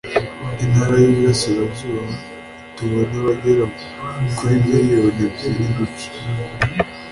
Intara y’Iburasirazuba ituwe n’abagera kuri miliyoni ebyiri n’igice